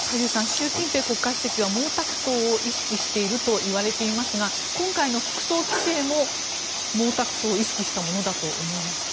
習近平国家主席は毛沢東を意識しているといわれていますが今回の服装規制も毛沢東を意識したものだと思いますか？